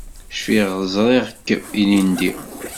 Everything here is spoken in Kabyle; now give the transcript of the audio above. Cfiɣ ẓriɣ-k ilindi.